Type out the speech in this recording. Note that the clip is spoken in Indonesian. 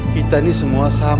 kita nih semua sama di makam